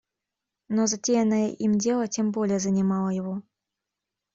Но затеянное им дело тем более занимало его.